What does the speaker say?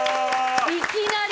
いきなり！